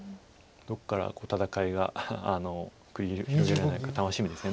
どこから戦いが繰り広げられるのか楽しみです。